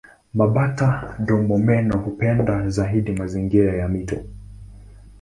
Mabata-domomeno hupenda zaidi mazingira ya mito.